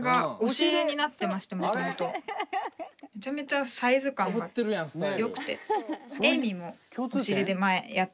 めちゃめちゃサイズ感がよくて。